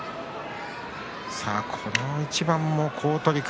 この一番も好取組